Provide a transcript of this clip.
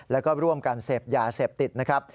แล้วก็ร่วมกันเสพยาเสพติดนะครับ